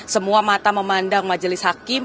semua mata memandang majelis hakim